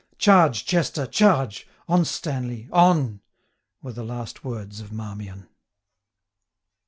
990 Charge, Chester, charge! On, Stanley, on!' Were the last words of Marmion.